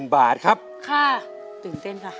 บาทครับค่ะตื่นเต้นค่ะ